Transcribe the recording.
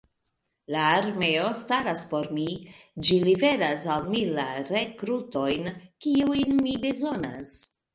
La armeo staras por mi: ĝi liveras al mi la rekrutojn, kiujn mi bezonas.